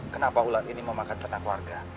kenapa ular ini memakan ternak warga